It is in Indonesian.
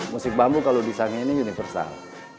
musik bambu kalau disangin ini universal